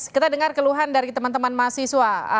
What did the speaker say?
kita dengar keluhan dari teman teman mahasiswa